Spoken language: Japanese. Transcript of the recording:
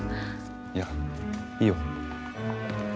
いやいいよ。